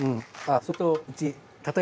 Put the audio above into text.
それとうち。